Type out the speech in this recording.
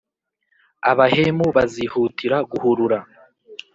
Abahemu bazihutira guhurura